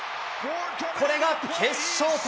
これが決勝点。